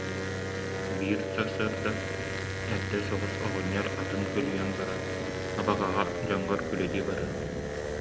Биир сарсыарда эрдэ соҕус оҕонньор атын көлүйэн баран: «Абаҕаҕа дьоҥҥор күүлэйдии барыах»